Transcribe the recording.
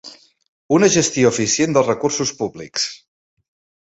Una gestió eficient dels recursos públics.